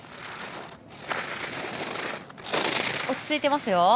落ち着いてますよ。